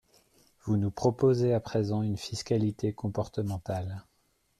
Vous nous proposez à présent une fiscalité comportementale.